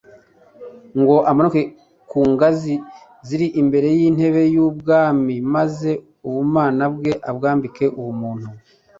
ngo amanuke ku ngazi ziri imbere y'intebe y'ubwami maze ubumana bwe abwambike ubumuntu.